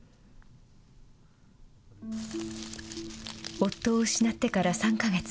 夫を失ってから３か月。